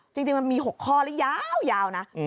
จริงมันมี๖ข้อหรือยาวนะ